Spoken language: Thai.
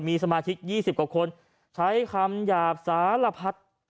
มีสมาชิก๒๐กว่าคนใช้คำหยาบสารพัด